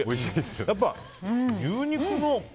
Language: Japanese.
やっぱ牛肉の。